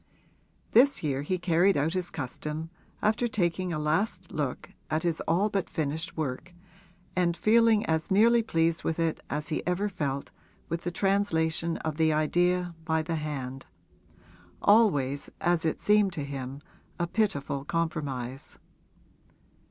This year he carried out his custom after taking a last look at his all but finished work and feeling as nearly pleased with it as he ever felt with the translation of the idea by the hand always, as it seemed to him, a pitiful compromise.